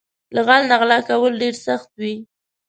له غل نه غلا کول ډېر سخت وي